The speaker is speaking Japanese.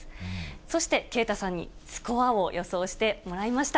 そして啓太さんにスコアを予想してもらいました。